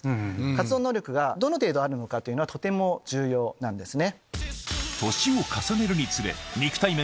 活動能力がどの程度あるのかはとても重要なんですね。